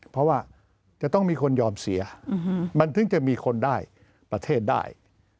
เพราะว่าจะต้องมีคนยอมเสียมันถึงจะมีคนได้ประเทศได้